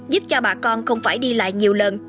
giúp cho bà con không phải đi lại nhiều lần